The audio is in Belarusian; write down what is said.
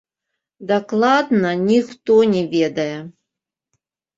Дакладна ніхто не ведае.